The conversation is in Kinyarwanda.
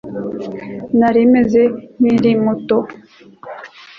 Nari meze nkiri muto